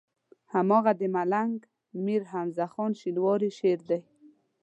هماغه د ملنګ مير حمزه خان شينواري شعر دی.